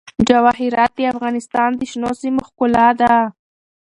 جواهرات د افغانستان د شنو سیمو ښکلا ده.